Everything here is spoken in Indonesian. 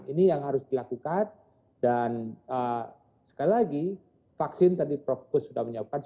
ini yang harus dilakukan dan sekali lagi vaksin tadi propus sudah menyebutkan